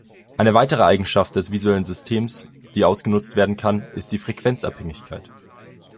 Eine weitere Eigenschaft des visuellen Systems, die ausgenutzt werden kann, ist die Frequenzabhängigkeit.